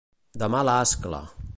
De mala ascla.